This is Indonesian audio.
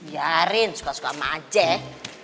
yarin suka suka emak aja ya